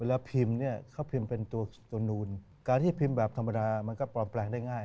แล้วพิมพ์เนี่ยเขาพิมพ์เป็นตัวนูนการที่พิมพ์แบบธรรมดามันก็ปลอมแปลงได้ง่าย